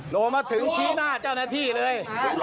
ลงมาถึงชี้หน้าเจ้าหน้าที่เลย